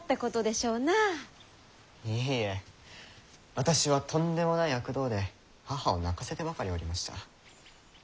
私はとんでもない悪童で母を泣かせてばかりおりました。